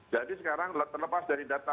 jadi sekarang terlepas dari data